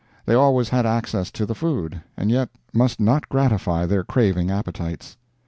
They always had access to the food, and yet must not gratify their craving appetites.